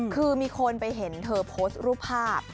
คือมีคนไปเห็นเธอโพสต์รูปภาพ